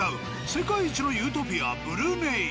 世界一のユートピアブルネイ。